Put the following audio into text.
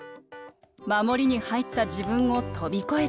守りに入った自分を飛びこえていく。